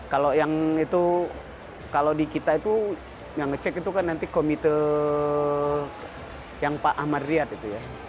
kalau yang itu kalau di kita itu yang ngecek itu kan nanti komite yang pak ahmad riyad itu ya